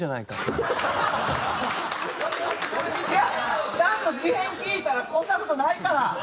いやちゃんと事変聴いたらそんな事ないから！